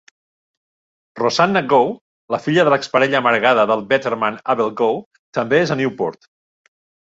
Rosanna Gaw, la filla de l'exparella amargada de Betterman Abel Gaw, també és a Newport.